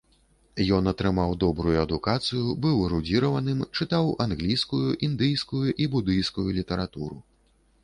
Ён атрымаў добрую адукацыю, быў эрудзіраваным, чытаў англійскую, індыйскую і будыйскую літаратуру.